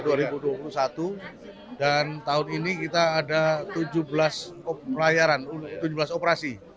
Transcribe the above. dan tahun ini kita ada tujuh belas operasi